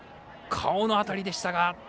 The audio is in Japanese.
顔の辺りでしたが。